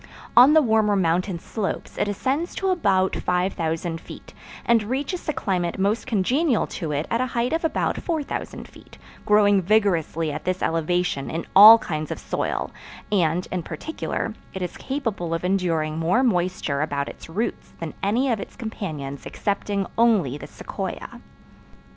On the warmer mountain slopes it ascends to about 5000 feet, and reaches the climate most congenial to it at a height of about 4000 feet, growing vigorously at this elevation in all kinds of soil and, in particular, it is capable of enduring more moisture about its roots than any of its companions excepting only the sequoia.